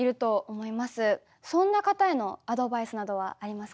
そんな方へのアドバイスなどはありますか？